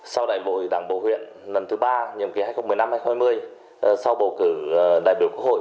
sau đại bộ đảng bộ huyện lần thứ ba nhiệm kỳ hai nghìn một mươi năm hai nghìn hai mươi